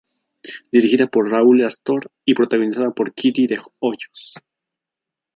Dirigida por Raúl Astor y protagonizada por Kitty de Hoyos.